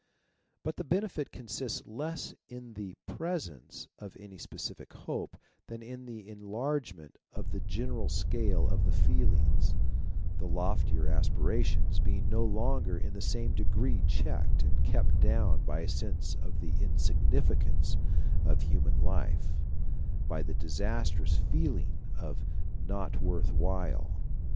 But the benefit consists less in the presence of any specific hope than in the enlargement of the general scale of the feelings ; the loftier aspira tions being no longer in the same degree checked and kept down by a sense of the insignificance of human life by the disastrous feeling of e not worth while.'